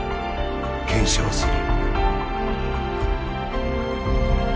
検証する。